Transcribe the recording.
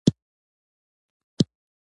د کلا انګړ له ویرژلو خلکو ډک شو.